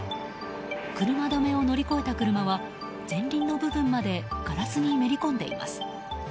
車止めを乗り越えた車は前輪の部分までガラスにめり込んでいます。